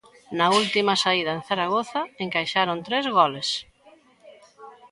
Na última saída, en Zaragoza, encaixaron tres goles.